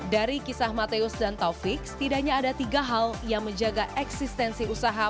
dari kisah mateus dan taufik setidaknya ada tiga hal yang menjaga eksistensi usaha